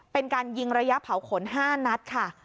เป็นการยิงระยะเผาขน๕นัดค่ะ